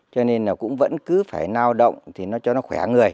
cho nên là cũng vẫn cứ phải nao động thì nó cho nó khỏe người